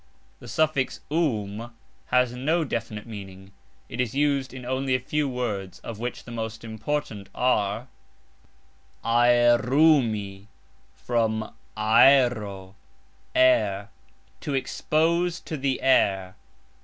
The suffix " um " has no definite meaning. It is used in only a few words, of which the most important are: aerumi (from "aero", air), to expose to the air.